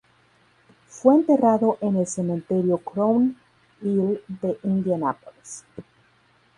Fue enterrado en el Cementerio Crown Hill de Indianápolis.